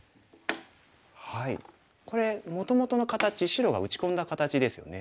これもともとの形白が打ち込んだ形ですよね